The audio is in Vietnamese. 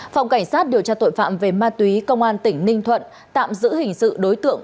phòng cảnh sát điều tra tội phạm về ma túy công an tỉnh ninh thuận tạm giữ hình sự đối tượng